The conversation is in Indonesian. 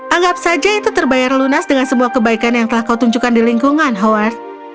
anggap saja itu terbayar lunas dengan semua kebaikan yang telah kau tunjukkan di lingkungan howard